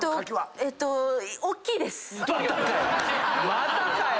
またかよ！